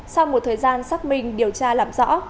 sau một thời gian xác minh điều tra làm rõ